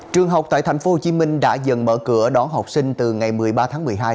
trường học tại tp hcm đã dần mở cửa đón học sinh từ ngày một mươi ba tháng một mươi hai